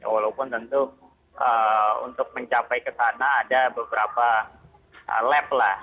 walaupun tentu untuk mencapai ke sana ada beberapa lab lah